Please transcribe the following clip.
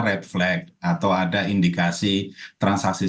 red flag atau ada indikasi transaksi